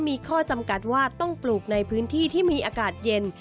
มีข้อจำกัดว่าต้องปลูกในพื้นที่ที่มีอากาศเย็น